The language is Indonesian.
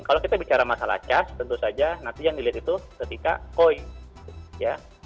kalau kita bicara masalah cas tentu saja nanti yang dilihat itu ketika koi ya